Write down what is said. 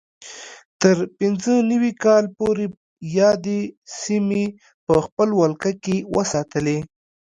تر پینځه نوي کال پورې یادې سیمې په خپل ولکه کې وساتلې.